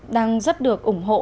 đang rất được ủng hộ